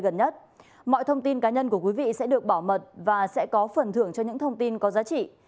cơ quan cảnh sát điều tra bộ công an nơi gần nhất mọi thông tin cá nhân của quý vị sẽ được bảo mật và sẽ có phần thưởng cho những thông tin có giá trị